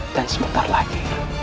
dan sebentar lagi